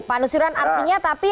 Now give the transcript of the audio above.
pak nusyuran artinya tapi